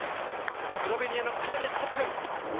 スロベニアのクラニェツ、トップ。